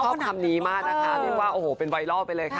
คำนี้มากนะคะเรียกว่าโอ้โหเป็นไวรัลไปเลยค่ะ